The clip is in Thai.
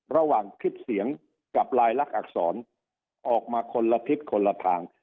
ระหว่างคลิปเสียงกับลายลักษณอักษรออกมาคนละทิศคนละทาง